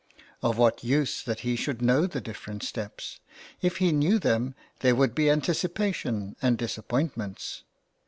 Of what use that he should know the different steps? if he knew them there would be anticipation and disappoint ments.